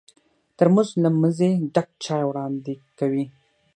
ترموز له مزې ډک چای وړاندې کوي.